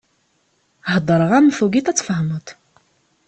Heddreɣ-am, tugiḍ ad tfehmeḍ.